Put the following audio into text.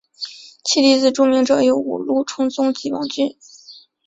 其弟子著名者有五鹿充宗及王骏。